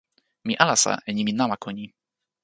mi alasa e nimi namako ni.